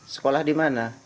sekolah di mana